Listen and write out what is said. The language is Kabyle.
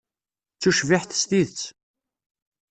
D tucbiḥt s tidet.